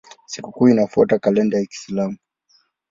Sikukuu inafuata kalenda ya Kiislamu.